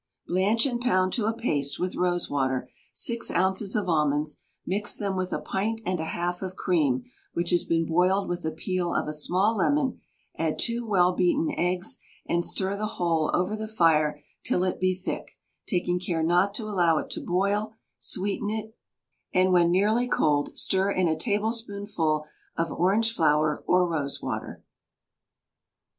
Blanch and pound to a paste, with rose water, six ounces of almonds; mix them with a pint and a half of cream which has been boiled with the peel of a small lemon; add two well beaten eggs, and stir the whole over the fire till it be thick, taking care not to allow it to boil; sweeten it, and when nearly cold, stir in a tablespoonful of orange flower or rose water.